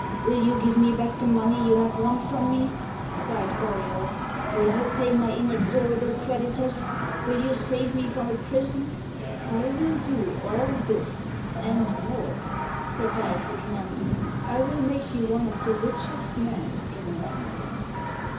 "Will you give me back the money you have won from me?" cried Auriol. "Will you pay my inexorable creditors? Will you save me from a prison?" "I will do all this, and more," replied Rougemont. "I will make you one of the richest men in London."